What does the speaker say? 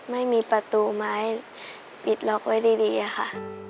ไม่มีประตูไม้ปิดล็อกไว้ดีอะค่ะ